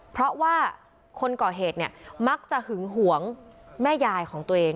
เพราะว่าคนก่อเหตุเนี่ยมักจะหึงหวงแม่ยายของตัวเอง